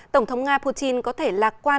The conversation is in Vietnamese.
tổng thống nga putin có thể lạc quan